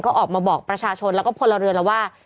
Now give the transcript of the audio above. ก็ออกมาบอกประชาชนแล้วก็พลเรือนแล้วว่า